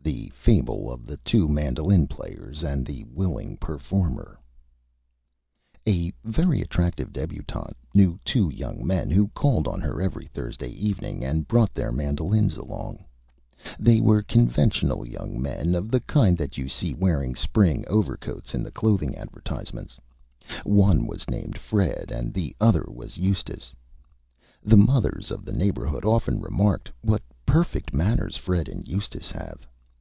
_ THE FABLE OF THE TWO MANDOLIN PLAYERS AND THE WILLING PERFORMER A very attractive Debutante knew two Young Men who called on her every Thursday Evening, and brought their Mandolins along. They were Conventional Young Men, of the Kind that you see wearing Spring Overcoats in the Clothing Advertisements. One was named Fred, and the other was Eustace. The Mothers of the Neighborhood often remarked, "What Perfect Manners Fred and Eustace have!"